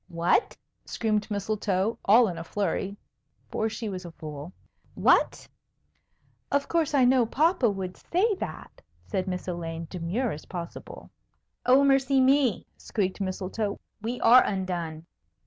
"What!" screamed Mistletoe, all in a flurry (for she was a fool). "What?" "Of course, I know papa would say that," said Miss Elaine, demure as possible. "Oh, mercy me!" squeaked Mistletoe; "we are undone!"